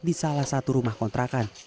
di salah satu rumah kontrakan